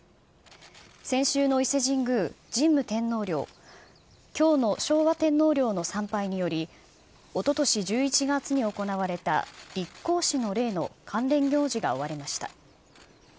先週の伊勢神宮、神武天皇陵、きょうの昭和天皇陵の参拝により、おととし１１月に行われた立皇嗣の礼の関連行事が終わりました。